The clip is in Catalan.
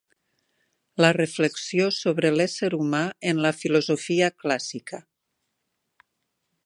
La reflexió sobre l'ésser humà en la filosofia clàssica